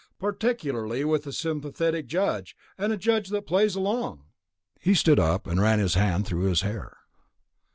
Particularly with a sympathetic jury and a judge that plays along." He stood up and ran his hand through his hair.